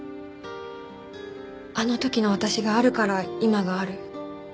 あの時の私があるから今がある。